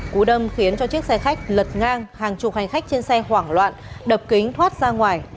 cú đâm khiến cho chiếc xe khách lật ngang hàng chục hành khách trên xe hoảng loạn đập kính thoát ra ngoài